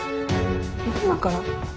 今から？